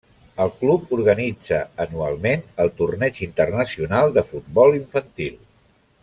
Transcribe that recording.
El club organitza anualment el Torneig Internacional de Futbol Infantil.